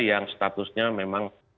yang statusnya memang